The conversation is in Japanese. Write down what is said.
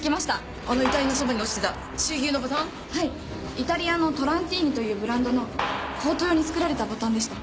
イタリアのトランティーニというブランドのコート用に作られたボタンでした。